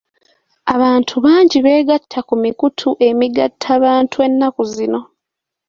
Abantu bangi beegatta ku mikutu emigattabantu ennaku zino.